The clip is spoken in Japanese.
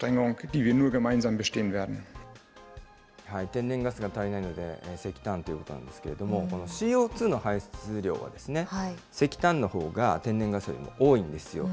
天然ガスが足りないので石炭ということなんですけれども、このＣＯ２の排出量は石炭のほうが、天然ガスよりも多いんですよ。